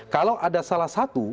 kalau ada salah satu